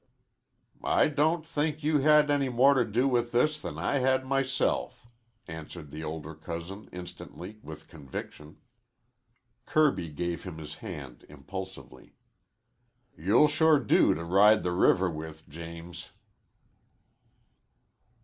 "I don't think you had any more to do with it than I had myself," answered the older cousin instantly, with conviction. Kirby gave him his hand impulsively. "You'll sure do to ride the river with, James."